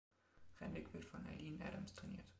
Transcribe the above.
Renwick wird von Eileen Adams trainiert.